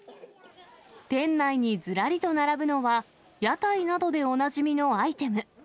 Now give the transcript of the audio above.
店内にずらりと並ぶのは、屋台などでおなじみのアイテム。